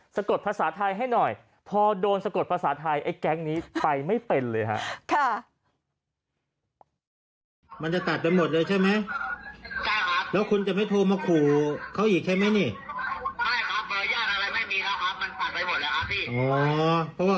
กดภาษาไทยให้หน่อยพอโดนสะกดภาษาไทยไอ้แก๊งนี้ไปไม่เป็นเลยครับ